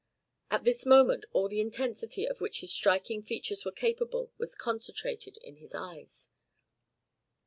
At this moment all the intensity of which his striking features were capable was concentrated in his eyes.